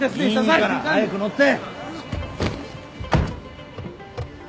いいから早く乗って。